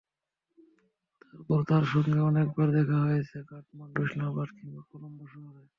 তারপর তাঁর সঙ্গে অনেকবার দেখা হয়েছে, কাঠমান্ডু, ইসলামাবাদ কিংবা কলম্বো শহরে।